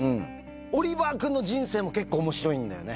オリバー君の人生も、結構おもしろいんだよね。